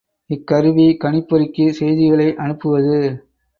இக்கருவி கணிப்பொறிக்கு செய்திகளை அனுப்புவது.